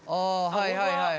はいはいはい。